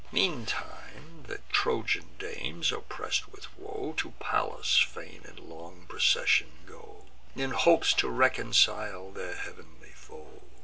Meantime the Trojan dames, oppress'd with woe, To Pallas' fane in long procession go, In hopes to reconcile their heav'nly foe.